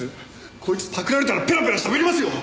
こいつパクられたらペラペラ喋りますよ！